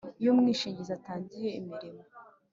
Iyo umwishingizi atangiye imirimo